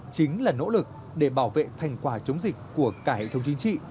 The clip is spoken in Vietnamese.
chính là nỗ lực để bảo vệ thành quả chống dịch của cả hệ thống chính trị